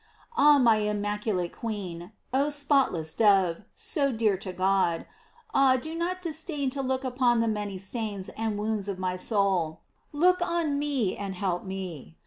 Ah, my immac ulate queen; oh spotless dove, so dear to God; ah, do not disdain to look upon the many stains and wounds of my soul; look on me and help me.